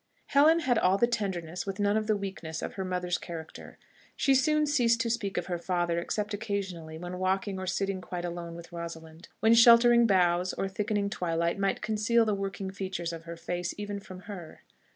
Helen had all the tenderness with none of the weakness of her mother's character. She soon ceased to speak of her father, except occasionally, when walking or sitting quite alone with Rosalind, when sheltering boughs or thickening twilight might conceal the working features of her face even from her.